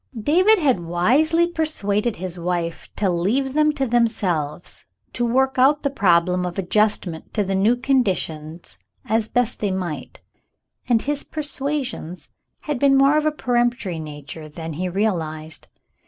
David had wisely persuaded his wife to leave them to themselves, to work out the problem of adjustment to the new conditions as best they might, and his persuasions had been of a more peremptory nature than he realized.